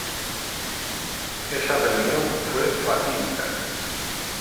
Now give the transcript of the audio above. Esa reunión fue fatídica.